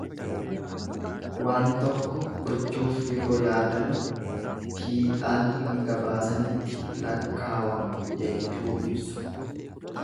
Waan tokko gochuuf yoo yaadan fiixaan hanga baasanitti lakkaawama jechuu ibsa.